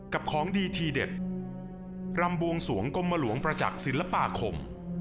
ของดีทีเด็ดรำบวงสวงกรมหลวงประจักษ์ศิลปาคม